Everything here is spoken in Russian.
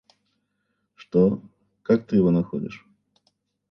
Что? Как ты его находишь?